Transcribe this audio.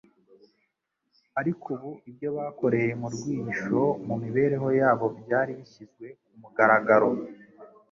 ariko ubu ibyo bakoreye mu rwihisho mu mibereho yabo byari bishyizwe ku mugaragaro